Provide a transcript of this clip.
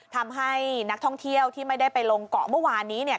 ทำให้นักท่องเที่ยวที่ไม่ได้ไปลงเกาะเมื่อวานนี้เนี่ย